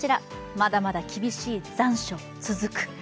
まだまだ厳しい残暑続く。